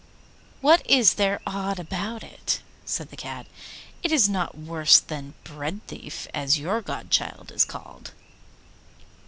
'What is there odd about it?' said the Cat. 'It is not worse than Breadthief, as your godchild is called.